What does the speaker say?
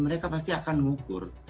mereka pasti akan mengukur